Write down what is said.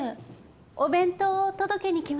お弁当を届けに来ました。